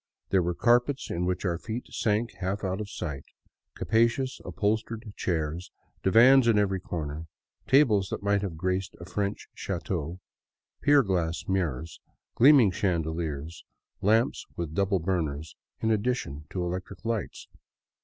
There were carpets in which our feet sank half out of sight, capacious upholstered chairs, divans in every corner, tables that might have graced a French chateau, pier glass mirrors, gleaming chandeliers, lamps with double burners, in addition to electric lights.